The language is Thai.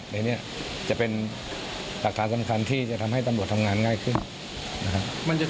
ในนี้จะเป็นอักษรสำคัญที่จะทำให้ตำรวจทำงานง่ายขึ้น